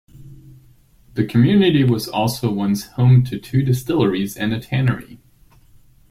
The community was also once home to two distilleries and a tannery.